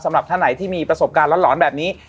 สำหรับท่านไหนที่มีประสบการณ์หลอนแบบนี้